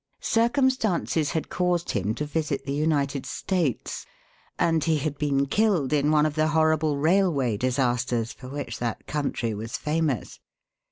Circumstances had caused him to visit the United States, and he had been killed in one of the horrible railway disasters for which that country was famous.